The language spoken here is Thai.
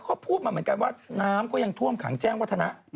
เขาพูดมาเหมือนกันว่าน้ำก็ยังท่วมขังแจ้งวัฒนะ